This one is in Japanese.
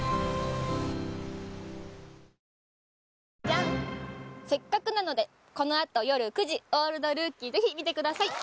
ジャンせっかくなのでこのあとよる９時「オールドルーキー」是非見てください！